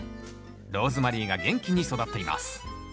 ローズマリーが元気に育っています